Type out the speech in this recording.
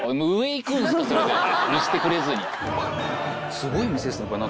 すごい店っすね。